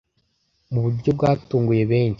Mu buryo bwatunguye benshi